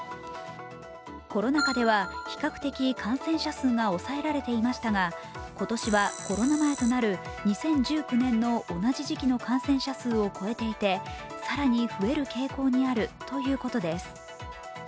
コロナ禍では比較的感染者数が抑えられていましたが今年はコロナ前となる２０１９年の同じ時期の感染者数を超えていて更に増える傾向にあるということです。